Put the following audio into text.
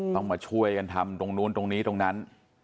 ต้องมาช่วยกันทำตรงนู้นตรงนี้ตรงนั้น